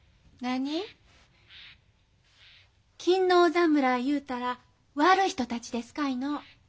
侍いうたら悪い人たちですかいの？